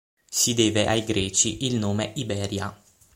Si deve ai Greci il nome "Iberia".